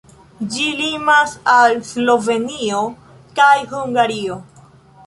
Ĝi limas al Slovenio kaj Hungario.